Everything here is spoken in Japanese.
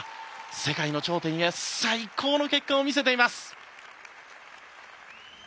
世界の頂点へ最高の結果を見せています。